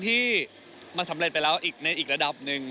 ที่มันสำเร็จไปแล้วอีกในอีกระดับหนึ่ง